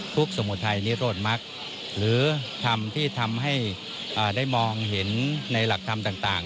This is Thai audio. สุโขทัยนิโรธมักหรือธรรมที่ทำให้ได้มองเห็นในหลักธรรมต่าง